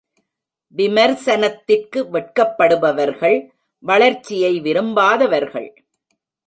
விமர்சனத்திற்கு வெட்கப்படுபவர்கள் வளர்ச்சியை விரும்பாதவர்கள்.